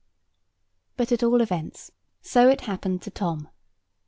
But at all events, so it happened to Tom.